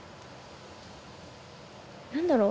何だろう